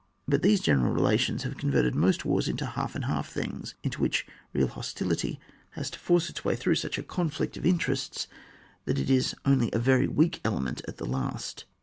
But these general re lations have converted most wars into half and half things, into which real hostility has to force its way through such a conflict of interests, that it is only a very weak element at the last.